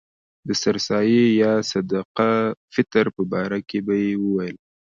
د سر سایې یا صدقه فطر په باره کې به یې ویل.